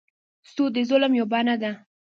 سود د ظلم یوه بڼه ده.